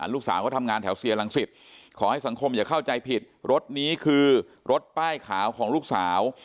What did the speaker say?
ลูกสาวก็ทำงานแถวเซียรังสิตขอให้สังคมอย่าเข้าใจผิดรถนี้คือรถป้ายขาวของลูกสาว